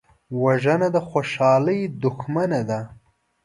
وژنه د خوشحالۍ دښمنه ده